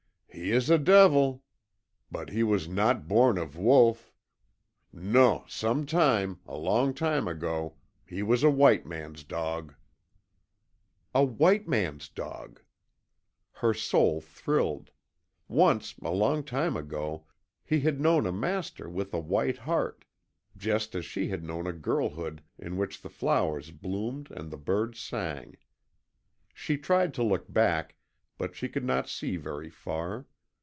"He is a devil, but he was not born of wolf. NON, some time, a long time ago, he was a white man's dog." A WHITE MAN'S DOG! Her soul thrilled. Once a long time ago he had known a master with a white heart, just as she had known a girlhood in which the flowers bloomed and the birds sang. She tried to look back, but she could not see very far.